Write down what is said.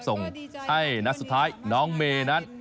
ส่งให้นัดสุดท้ายน้องเมย์นั้น